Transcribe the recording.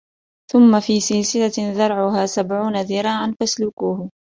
ثم في سلسلة ذرعها سبعون ذراعا فاسلكوه